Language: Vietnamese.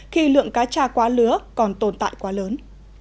khi lượng cá tra quá lứa còn tồn tại quá lớn